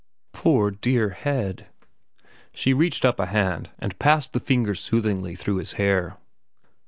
"Poor, dear head." She reached up a hand and passed the fingers soothingly through his hair.